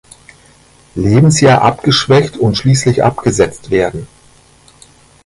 Lebensjahr abgeschwächt und schließlich abgesetzt werden.